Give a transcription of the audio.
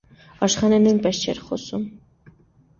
Աշխենը նույնպես չէր խոսում: